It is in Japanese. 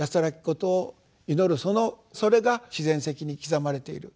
そのそれが自然石に刻まれている。